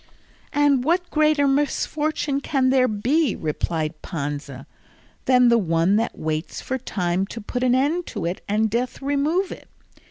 "And what greater misfortune can there be," replied Panza, "than the one that waits for time to put an end to it and death to remove it?